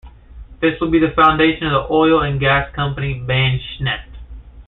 This would be the foundation of the oil and gas company Bashneft.